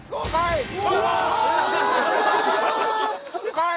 はい！